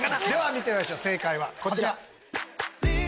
見てみましょう正解はこちら。